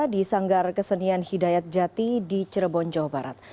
di sanggar kesenian hidayat jati di cirebon jawa barat